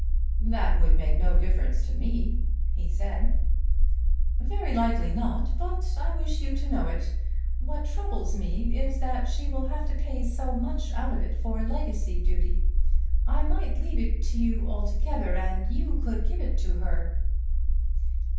"That would make no difference to me," he said. "Very likely not, but I wish you to know it. What troubles me is that she will have to pay so much out of it for legacy duty. I might leave it all to you and you could give it her."